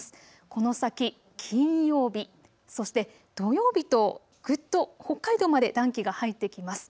この先、金曜日、そして土曜日とぐっと北海道まで暖気が入ってきます。